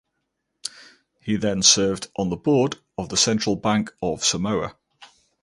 He then served on the board of the Central Bank of Samoa.